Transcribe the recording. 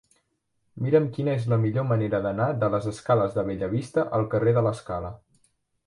Mira'm quina és la millor manera d'anar de les escales de Bellavista al carrer de l'Escala.